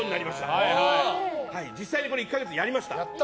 これ、実際に１か月やりました。